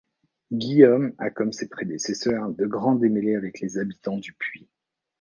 Guillaume a comme ses prédécesseurs de grands démêlés avec les habitants du Puy.